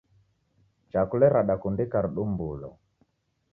Chakule radakundika ridumbulo.